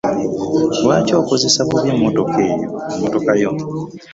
Lwaki okozesa bubi emmotoka yo?